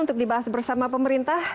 untuk dibahas bersama pemerintah